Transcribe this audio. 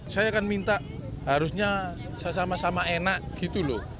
saya akan minta harusnya sama sama enak gitu loh